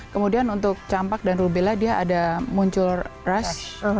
kemudian untuk campak dan rubela dia ada muncul rash